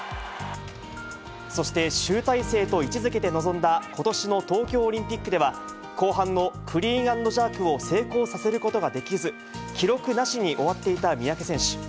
そして、集大成と位置づけて臨んだことしの東京オリンピックでは、後半のクリーンアンドジャークを成功させることができず、記録なしに終わっていた三宅選手。